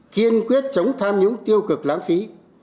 kiên quyết chống tham nhũng tiêu cực lãng phí